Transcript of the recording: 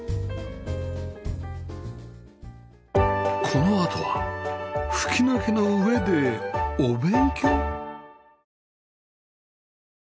このあとは吹き抜けの上でお勉強？